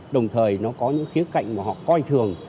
đồng thời nó có những khía cạnh mà họ coi thường